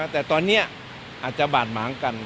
แต่ตอนนี้อาจจะบาดหมางกัน